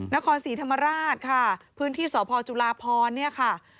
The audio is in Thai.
นครศรีธรรมราชค่ะพื้นที่สพจุลาพรเนี่ยค่ะ